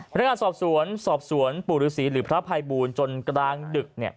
พนักงานสอบสวนสอบสวนปู่ฤษีหรือพระภัยบูลจนกลางดึก